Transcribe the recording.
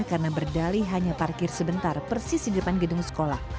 karena berdali hanya parkir sebentar persis di depan gedung sekolah